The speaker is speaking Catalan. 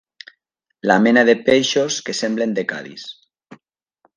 La mena de peixos que semblen de Cadis.